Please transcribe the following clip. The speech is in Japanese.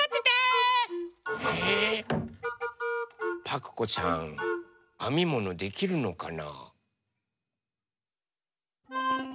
パクこさんあみものできるのかな？